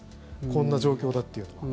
こんな状況だっていうのが。